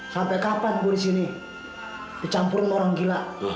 sampai kapan gue disini kecampurin orang gila